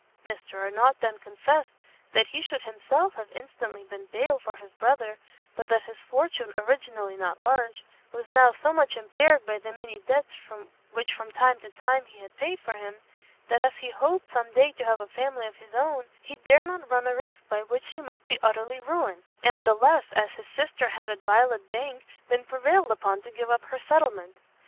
Mr Arnott then confessed that he should himself have instantly been bail for his brother, but that his fortune, originally not large, was now so much impaired by the many debts which from time to time he had paid for him, that as he hoped some day to have a family of his own, he dare not run a risk by which he might be utterly ruined, and the less, as his sister had at Violet Bank been prevailed upon to give up her settlement.